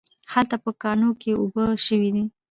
هلته په کاڼو کې اوبه شوي دي